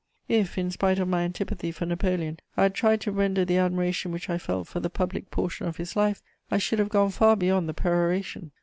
If, in spite of my antipathy for Napoleon, I had tried to render the admiration which I felt for the public portion of his life, I should have gone far beyond the peroration.